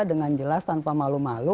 dengan jelas tanpa malu malu